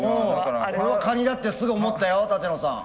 俺はカニだってすぐ思ったよ舘野さん。